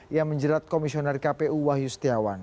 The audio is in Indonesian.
yang menjerat komisioner kpu wahyu setiawan